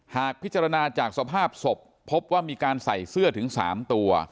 หากพิจารณาจากสภาพศพพบว่ามีการใส่เสื้อถึง๓ตัว